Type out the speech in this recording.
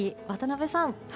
渡辺さん。